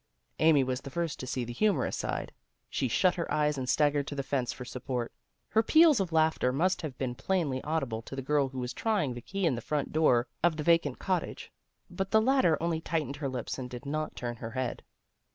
Amy was the first to see the humorous side. She shut her eyes and staggered to the fence for support. Her peals of laughter must have been plainly audible to the girl who was trying the key in the front door of the vacant cottage, but the latter only tightened her lips and did not turn her head.